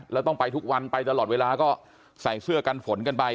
แล้วต้องไปทุกวันไปตลอดเวลาก็ใส่เสื้อกันฝนกันไป